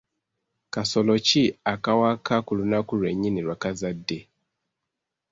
Kasolo ki akawaka ku lunaku lwennyini lwe kazadde?